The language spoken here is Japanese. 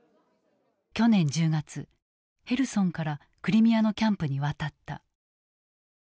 去年１０月ヘルソンからクリミアのキャンプに渡った。